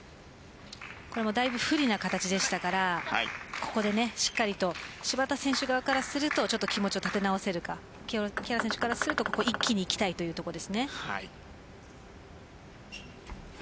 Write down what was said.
だいぶ不利な形でしたからここで、しっかりと芝田選手側からすると気持ちを立て直せるか木原選手からすると一気にいきたいところです。